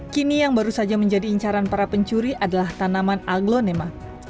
kini yang baru saja menjadi incaran para pencuri adalah tanaman aglonema